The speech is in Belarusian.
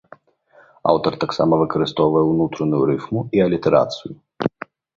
Аўтар таксама выкарыстоўвае ўнутраную рыфму і алітэрацыю.